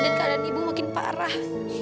dan keadaan ibu makin parah